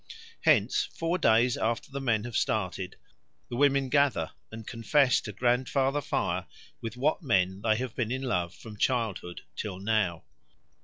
Hence four days after the men have started the women gather and confess to Grandfather Fire with what men they have been in love from childhood till now.